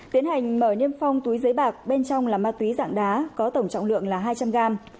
tiến hành mở niêm phong túi giấy bạc bên trong là ma túy dạng đá có tổng trọng lượng là hai trăm linh gram